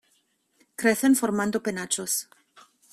Crecen formando penachos.